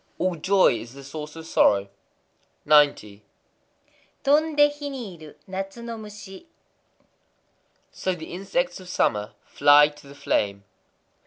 _ All joy is the source of sorrow. 90.—Tondé hi ni iru natsu no mushi. So the insects of summer fly to the flame.